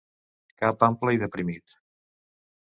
Cap ample i deprimit.